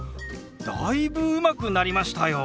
だいぶうまくなりましたよ！